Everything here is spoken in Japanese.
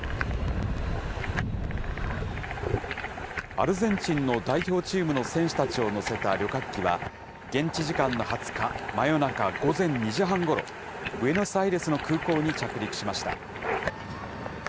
アルゼンチンの代表チームの選手たちを乗せた旅客機は、現地時間の２０日、真夜中午前２時半ごろ、ブエノスアイレスの空港に着陸しました。